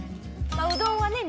うどんはね